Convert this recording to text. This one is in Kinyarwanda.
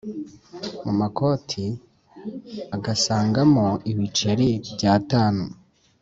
mu makoti agasangamo ibiceri by'atanu